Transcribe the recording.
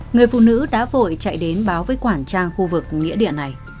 người phụ nữ đã vội chạy đến báo với quản trang khu vực nghĩa địa này